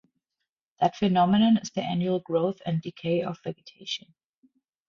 That phenomenon is the annual growth and decay of vegetation.